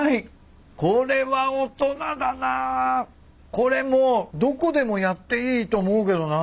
これもうどこでもやっていいと思うけどな。